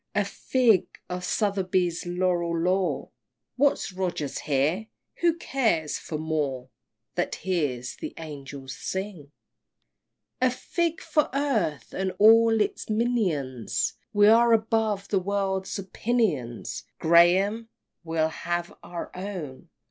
A fig for Southey's Laureat lore!" What's Rogers here? Who cares for Moore That hears the Angels sing! " XVI. A fig for earth, and all its minions! We are above the world's opinions, Graham! we'll have our own!